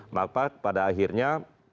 maka pada akhirnya